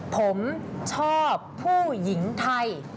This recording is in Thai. ผมชอบผู้หญิงไทย